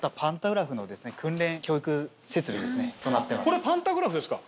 これパンタグラフですか？